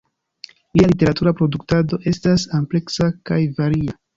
Lia literatura produktado estas ampleksa kaj varia.